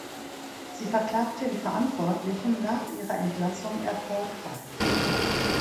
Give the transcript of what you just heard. Sie verklagte die Verantwortlichen nach ihrer Entlassung erfolgreich.